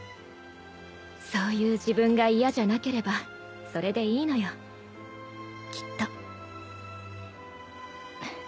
そういう自分が嫌じゃなければそれでいいのよきっと。